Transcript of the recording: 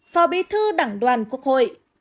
phó bí thư đảng đoàn quốc hội